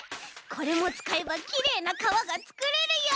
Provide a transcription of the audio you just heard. これもつかえばきれいなかわがつくれるよ！